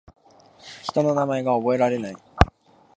人の名前が覚えられない